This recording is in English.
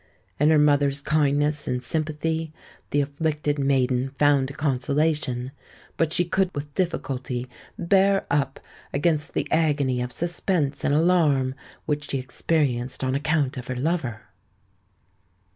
In her mother's kindness and sympathy the afflicted maiden found a consolation; but she could with difficulty bear up against the agony of suspense and alarm which she experienced on account of her lover.